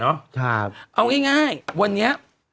ว่ายังไงวันเนี้ย